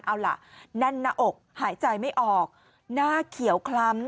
เอาล่ะแน่นหน้าอกหายใจไม่ออกหน้าเขียวคล้ำ